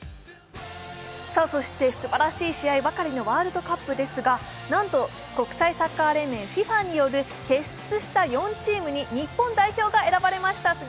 そしてすばらしい試合ばかりのワールドカップですがなんと国際サッカー連盟ＦＩＦＡによる傑出した４チームに日本代表が選ばれました。